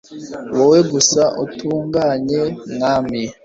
wowe gusa utunganye, mwami